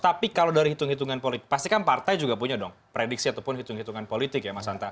tapi kalau dari hitung hitungan politik